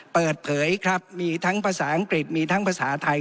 เปิดเผยครับมีทั้งภาษาอังกฤษมีทั้งภาษาไทย